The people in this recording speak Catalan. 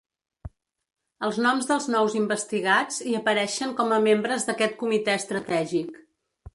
Els noms dels nous investigats hi apareixen com a membres d’aquest comitè estratègic.